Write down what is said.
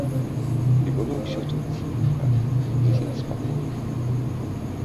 І было ўсё тут ціха, зусім спакойна.